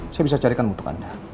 saya bisa carikan untuk anda